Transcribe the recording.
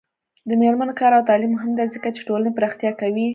د میرمنو کار او تعلیم مهم دی ځکه چې ټولنې پراختیا کوي.